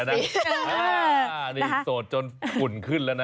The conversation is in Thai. นี่โสดจนฝุ่นขึ้นแล้วนะ